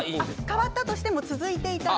変わったとしても続いていたら。